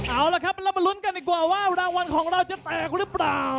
เอาล่ะครับเรามาลุ้นกันดีกว่าว่ารางวัลของเราจะแตกหรือเปล่า